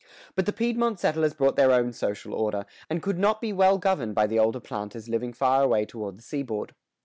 But the Piedmont settlers brought their own social order, and could not be well governed by the older planters living far away toward the seaboard.